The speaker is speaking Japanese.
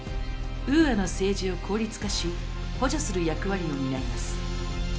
ウーアの政治を効率化し補助する役割を担います。